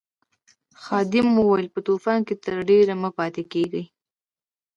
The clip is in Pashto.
خادم وویل په طوفان کې تر ډېره مه پاتې کیږئ.